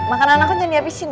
makanan aku jadi abisi dong